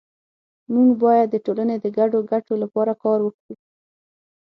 مونږ باید د ټولنې د ګډو ګټو لپاره کار وکړو